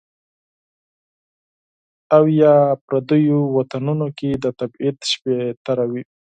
او یا، پردیو وطنونو کې د تبعید شپې تیروي